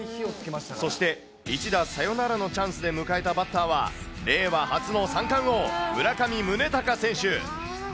そして、一打サヨナラのチャンスで迎えたバッターは、令和初の三冠王、村上宗隆選手。